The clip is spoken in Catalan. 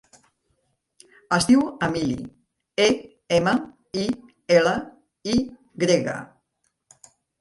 Es diu Emily: e, ema, i, ela, i grega.